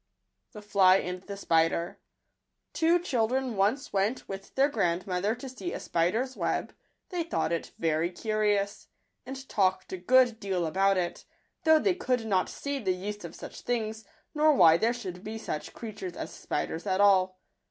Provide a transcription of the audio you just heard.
5 • a Digitized by Google ®&e §lj> anb tje Spider. K W O children once went with their grandmother to see a spider's web : they thought it very curious, and w ^ talked a good deal about it, though they could not see the use of such things, nor why there should be such creatures as spi ders at all.